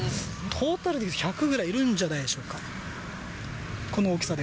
トータルで１００ぐらいいるんじゃないでしょうか。